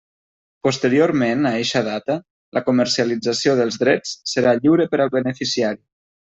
Posteriorment a eixa data, la comercialització dels drets serà lliure per al beneficiari.